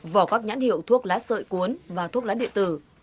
vỏ các nhãn hiệu thuốc lá sợi cuốn và thuốc lá điện tử